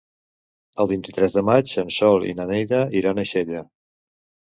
El vint-i-tres de maig en Sol i na Neida iran a Xella.